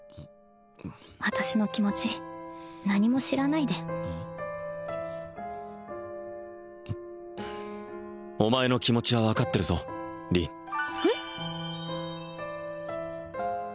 私の気持ち何も知らないでお前の気持ちは分かってるぞ凛えっ？